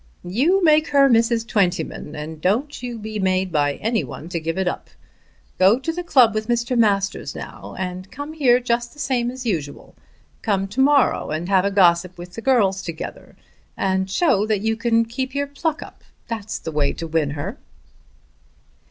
"You make her Mrs. Twentyman, and don't you be made by any one to give it up. Go to the club with Mr. Masters now, and come here just the same as usual. Come to morrow and have a gossip with the girls together and show that you can keep your pluck up. That's the way to win her."